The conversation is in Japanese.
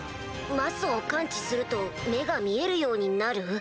魔素を感知すると目が見えるようになる？